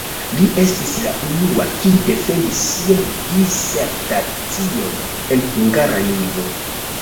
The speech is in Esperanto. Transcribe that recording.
Li estis la unua, kiu defendis sian disertacion en hungara lingvo.